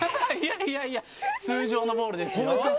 いやいや、通常のボールですよ。